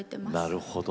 なるほど。